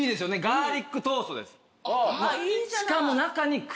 ガーリックトーストです。